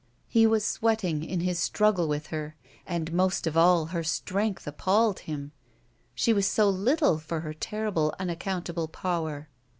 He was sweating in his struggle with her, and most of all her strength appalled him, ^e was so little for her terrible unaccountable power.